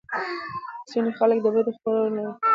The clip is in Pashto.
ځینې خلک د بدو خوړو له خوا کانګې کوي.